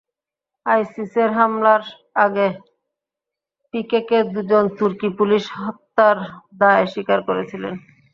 আইসিসের হামলার আগে পিকেকে দুজন তুর্কি পুলিশ হত্যার দায় স্বীকার করেছিল।